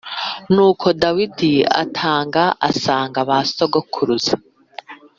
Nuko Dawidi aratanga asanga ba sekuruza